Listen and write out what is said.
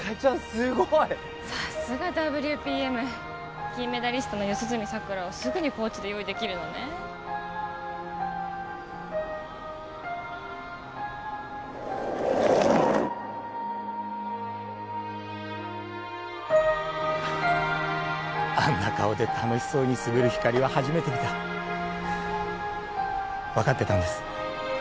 すごいさすがＷＰＭ金メダリストの四十住さくらをすぐにコーチで用意できるのねあんな顔で楽しそうに滑るひかりは初めて見た分かってたんです